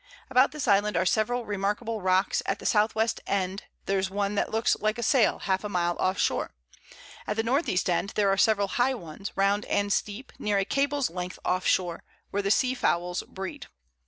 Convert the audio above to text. About this Island are several remarkable Rocks, at the South West End there's one looks like a Sail half a Mile off shore; at the North East End there are several high ones, round and steep, near a Cable's Length off Shore, where the Sea Fowls breed.